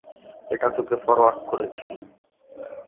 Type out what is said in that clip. এটা তোকে ফরোয়ার্ড করেছি।